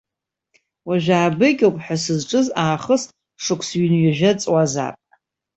Уажә аабыкьоуп ҳәа сызҿыз аахыс шықәс ҩынҩажәа ҵуазаап.